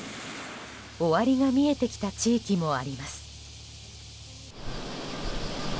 終わりが見えてきた地域もあります。